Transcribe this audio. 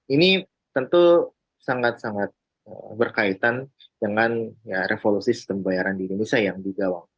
ini tentu sangat sangat berkaitan dengan revolusi sistem pembayaran di indonesia yang digawang